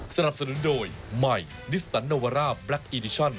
สนับสนุนโดยใหม่ดิสรรนวราแบล็คอีดิชั่น